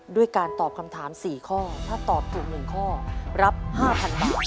ด้วยการตอบคำถาม๔ข้อถ้าตอบถูก๑ข้อรับ๕๐๐๐บาท